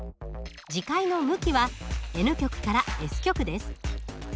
磁界の向きはＮ極からＳ極です。